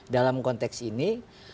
dalam konteks ini